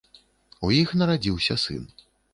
У іх нарадзіўся сын.